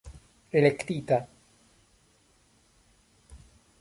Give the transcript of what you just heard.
elektita